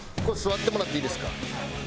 ここ座ってもらっていいですか。